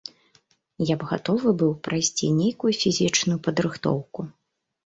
Я б гатовы быў прайсці нейкую фізічную падрыхтоўку.